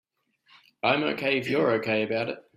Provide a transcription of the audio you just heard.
I'm OK if you're OK about it.